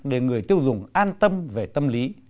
để người tiêu dùng an tâm về tâm lý